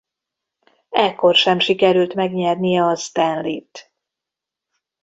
Ekkor sem sikerült megnyernie a Stanleyt.